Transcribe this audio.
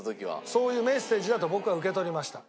そういうメッセージだと僕は受け取りました。